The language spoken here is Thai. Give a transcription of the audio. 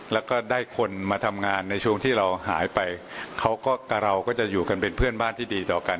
แล้วก็ได้คนมาทำงานในช่วงที่เราหายไปเขาก็กับเราก็จะอยู่กันเป็นเพื่อนบ้านที่ดีต่อกัน